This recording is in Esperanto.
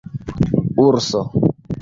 urso